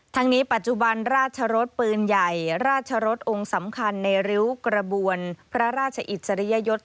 ทั้งนี้ปัจจุบันราชรสปืนใหญ่ราชรสองค์สำคัญในริ้วกระบวนพระราชอิสริยยศ